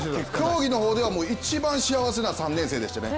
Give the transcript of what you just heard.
競技の方では一番幸せな３年生でしたね。